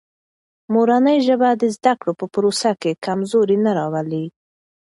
مورنۍ ژبه د زده کړو په پروسه کې کمزوري نه راولي.